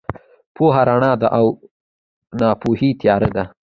پوهه رڼا ده او ناپوهي تیاره ده.